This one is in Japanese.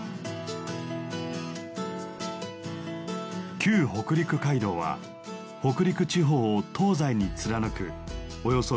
旧北陸街道は北陸地方を東西に貫くおよそ４００キロの街道。